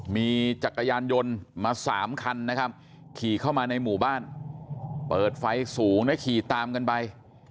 มีจักรยานยนต์มา๓คันนะครับขี่เข้ามาในหมู่บ้านเปิดไฟสูงและขี่ตามกันไป